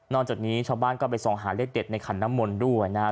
จากนี้ชาวบ้านก็ไปส่องหาเลขเด็ดในขันน้ำมนต์ด้วยนะครับ